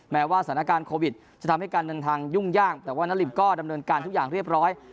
แม้ว่าสถานการณ์โควิดจะทำให้การเดินทางยุ่งยากแต่ว่านาริบก็ดำเนินการทุกอย่างเรียบร้อย